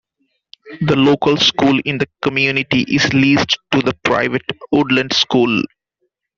The local school in the community is leased to the private Woodland School.